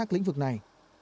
lĩnh vực này